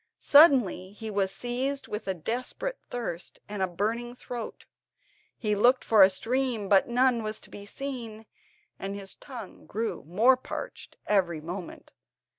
Suddenly he was seized with a desperate thirst, and a burning in his throat. He looked for a stream but none was to be seen, and his tongue grew more parched every moment.